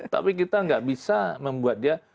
tapi kita nggak bisa membuat dia